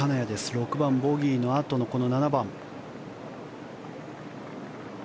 ６番、ボギーのあとのこの７番。